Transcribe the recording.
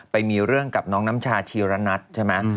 ไปมีเรื่องกับน้องน้ำชาชีระนัทใช่ไหม